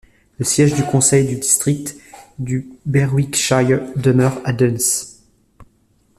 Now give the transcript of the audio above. Le siège du conseil du district du Berwickshire demeure à Duns.